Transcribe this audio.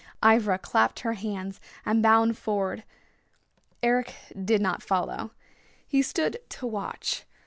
Ivra clapped her hands and bounded forward. Eric did not follow. He stood to watch.